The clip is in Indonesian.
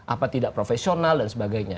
apa tidak profesional dan sebagainya